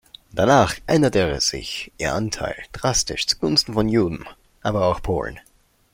Danach änderte sich ihr Anteil drastisch zugunsten von Juden, aber auch Polen.